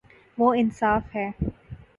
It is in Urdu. وہ انصا ف ہے